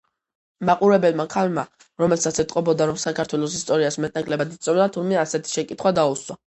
მაყურებელმა ქალმა, რომელსაც ეტყობოდა, რომ საქართველოს ისტორიას მეტ-ნაკლებად იცნობდა, თურმე ასეთი შეკითხვა დაუსვა.